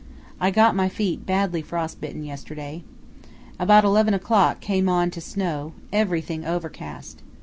I got my feet badly frost bitten yesterday. About 11 o'clock came on to snow, everything overcast.